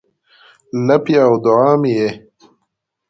لپې او دوعا مې یې